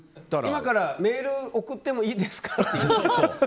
今からメール送ってもいいですかって。